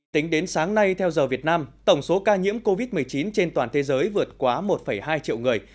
tính đến sáng nay theo giờ việt nam tổng số ca nhiễm covid một mươi chín trên toàn thế giới vượt quá một hai triệu người